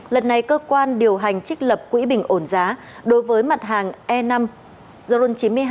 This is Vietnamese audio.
lần này cơ quan điều hành trích lập quỹ bình ổn giá đối với mặt hàng e năm zern chín mươi hai